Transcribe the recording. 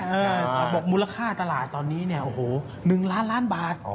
ประบบมูลค่าตลาดตอนนี้เนี่ย๑ล้านบาท